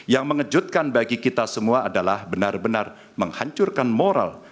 yang mengejutkan bagi kita semua adalah benar benar menghancurkan moral